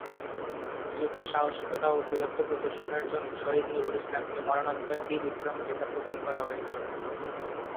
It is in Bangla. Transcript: মুক্তিযুদ্ধে সাহসিকতা ও বীরত্ব প্রদর্শনের জন্য শহীদ নূরুল ইসলামকে মরণোত্তর বীর বিক্রম খেতাব প্রদান করা হয়েছে।